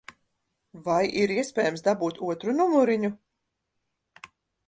Vai ir iespējams dabūt otru numuriņu?